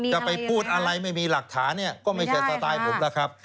แต่ไปพูดอะไรที่ไม่มีหลักฐานี้ก็ไม่ใช่ตาตาผมล่ะ